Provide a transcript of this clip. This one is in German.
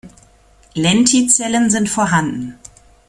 Lentizellen sind vorhanden.